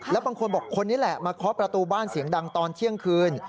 แล้วบางคนบอกคนนี้แหละมาเคาะประตูบ้านเสียงดังตอนเที่ยงคืน